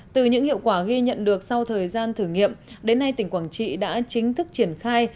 từ những hiệu quả ghi nhận được sau thời gian thử nghiệm đến nay tỉnh quảng trị đã chính thức triển khai